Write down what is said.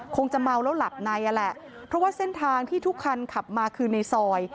คงจะเมาแล้วหลับในอ่ะแหละเพราะว่าเส้นทางที่ทุกคันขับมาคือในซอย